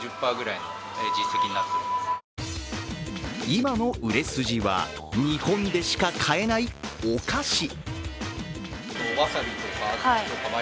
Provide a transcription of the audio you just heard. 今の売れ筋は日本でしか買えないお菓子。